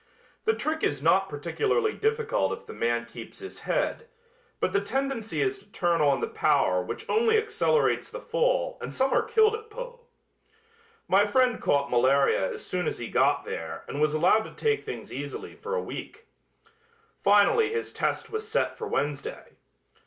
The trick is not particularly difficult if the man keeps his head, but the tendency is to turn on the power which only accelerates the fall and some are killed at Pau. My friend caught malaria as soon as he got there and was allowed to take things easily for a week. Finally his test was set for Wednesday.